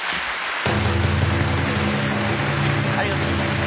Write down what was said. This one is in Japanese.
ありがとうございます。